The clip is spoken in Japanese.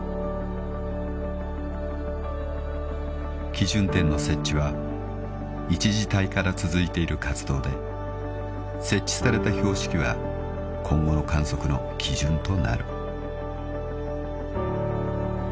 ［基準点の設置は１次隊から続いている活動で設置された標識は今後の観測の基準となる］